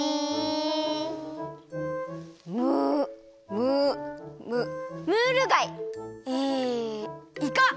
ムムムムールがい！イイカ！